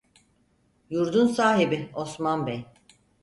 Yurdun sahibi Osman Bey.